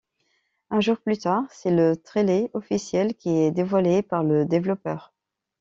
Un jour plus tard, c'est le trailer officiel qui est dévoilé par le développeur.